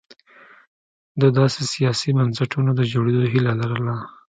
د داسې سیاسي بنسټونو د جوړېدو هیله لرله.